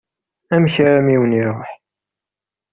Amek armi i wen-iṛuḥ?